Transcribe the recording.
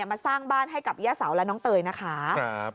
มาสร้างบ้านให้กับย่าเสาและน้องเตยนะคะ